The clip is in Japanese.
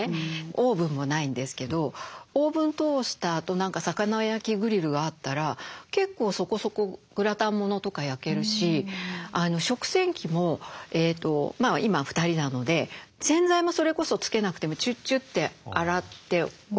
オーブンもないんですけどオーブントースターと魚焼きグリルがあったら結構そこそこグラタンものとか焼けるし食洗器も今は２人なので洗剤もそれこそつけなくてもチュッチュッて洗っておけるんですね。